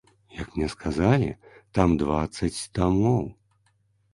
Як мне сказалі, там дваццаць тамоў.